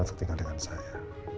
untuk tinggal dengan saya